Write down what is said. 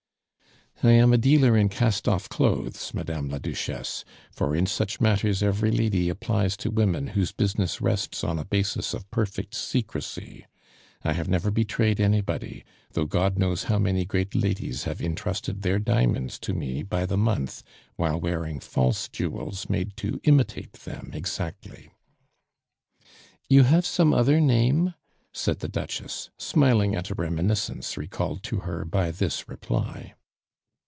"I am a dealer in cast off clothes, Madame la Duchesse; for in such matters every lady applies to women whose business rests on a basis of perfect secrecy. I have never betrayed anybody, though God knows how many great ladies have intrusted their diamonds to me by the month while wearing false jewels made to imitate them exactly." "You have some other name?" said the Duchess, smiling at a reminiscence recalled to her by this reply.